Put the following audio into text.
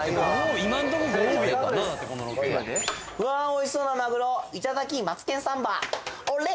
おいしそうなまぐろいただきマツケンサンバ「オレ！」